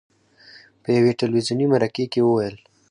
په یوې تلویزوني مرکې کې وویل: